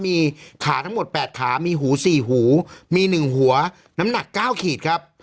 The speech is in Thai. มีขาทั้งหมด๘ขามีหู๔หูมี๑หัวน้ำหนัก๙ขีดครับ